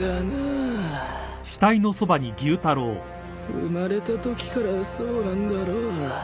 生まれたときからそうなんだろう。